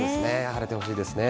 晴れてほしいですね。